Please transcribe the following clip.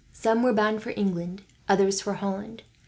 Some were bound for England, others for Holland.